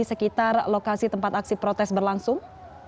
agar lokasi tempat aksi protes berlangsung